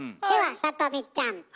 ではさとみちゃん。